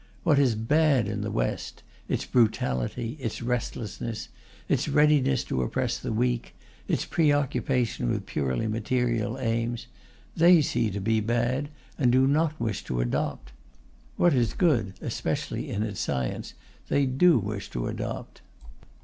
What is bad in the West its brutality, its restlessness, its readiness to oppress the weak, its preoccupation with purely material aims they see to be bad, and do not wish to adopt. What is good, especially its science, they do wish to adopt.